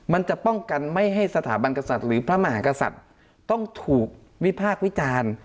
มันจะป้องกันไม่ให้สถาบันกษัตริย์หรือพระมหากษัตริย์ต้องถูกวิพากษ์วิจารณ์